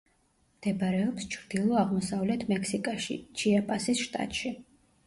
მდებარეობს ჩრდილო-აღმოსავლეთ მექსიკაში, ჩიაპასის შტატში.